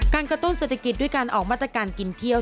กระตุ้นเศรษฐกิจด้วยการออกมาตรการกินเที่ยว